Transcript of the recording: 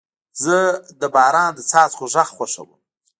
زه د باران د څاڅکو غږ خوښوم.